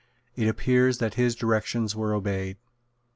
It appears that his directions were obeyed.